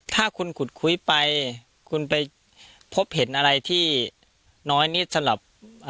ถ้าคุณขุดคุยไปคุณไปพบเห็นอะไรที่น้อยนิดสำหรับ